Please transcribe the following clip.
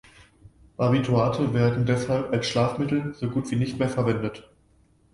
Barbiturate werden deshalb als Schlafmittel so gut wie nicht mehr verwendet.